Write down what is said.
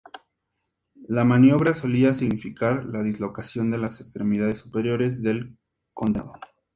La maniobra solía significar la dislocación de las extremidades superiores del condenado.